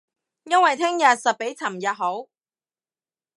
因為聼日實比尋日好